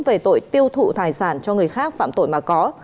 để tiêu thụ tài sản cho người khác phạm tội mà có